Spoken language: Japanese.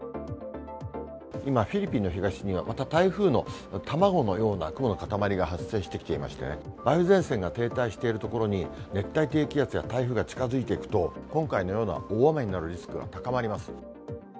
今、フィリピンの東には、また台風の卵のような雲の塊が発生してきていましてね、梅雨前線が停滞しているところに、熱帯低気圧や台風が近づいていくと、今回のような大雨になるリスクが高まります。